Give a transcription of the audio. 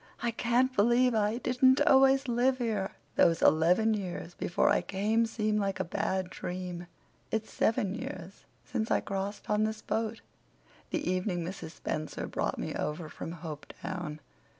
I can't believe I didn't always live here. Those eleven years before I came seem like a bad dream. It's seven years since I crossed on this boat—the evening Mrs. Spencer brought me over from Hopetown.